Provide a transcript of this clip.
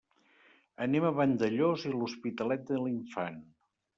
Anem a Vandellòs i l'Hospitalet de l'Infant.